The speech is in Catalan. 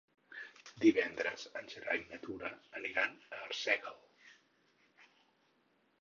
Divendres en Gerai i na Tura aniran a Arsèguel.